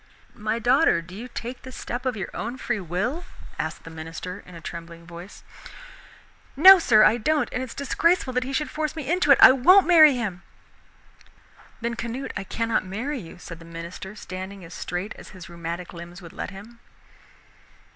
"My daughter, do you take this step of your own free will?" asked the minister in a trembling voice. "No, sir, I don't, and it is disgraceful he should force me into it! I won't marry him." "Then, Canute, I cannot marry you," said the minister, standing as straight as his rheumatic limbs would let him.